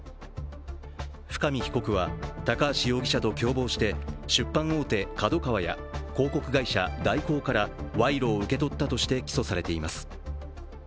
深見被告は、高橋容疑者と共謀して出版大手ＫＡＤＯＫＡＷＡや広告会社、大広から賄賂を受け取ったとして起訴されています。